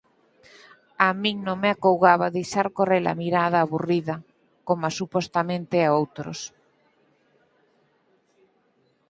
A min non me acougaba deixar corre-la mirada aburrida, coma supostamente a outros.